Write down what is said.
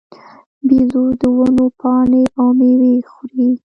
بیزو د ونو پاڼې او مېوې خوري.